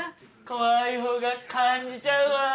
怖い方が感じちゃうわ。